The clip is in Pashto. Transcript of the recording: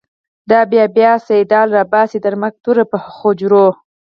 دابه بیا “سیدال” راباسی، دمرګ توره په غجرو